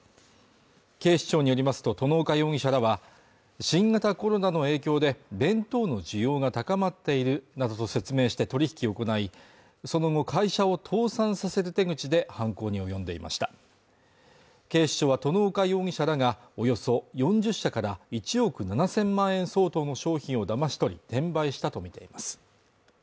警視庁によりますと外岡容疑者らは新型コロナの影響で弁当の需要が高まっているなどと説明して取引を行いその後会社を倒産させる手口で犯行に及んでいました警視庁は外岡容疑者らがおよそ４０社から１億７０００万円相当の商品をだまし取り転売したとみています